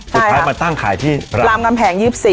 สุดท้ายมาตั้งขายที่รำกำแผง๒๔ครับ